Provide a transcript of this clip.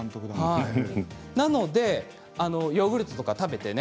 なのでヨーグルトとか食べてね